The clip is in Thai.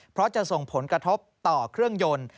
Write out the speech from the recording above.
เพราะจะส่งผลกระทบต่อเครื่องยนต์